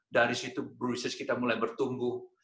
dari situ brusses kita mulai bertumbuh